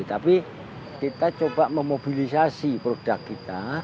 tapi kita coba memobilisasi produk kita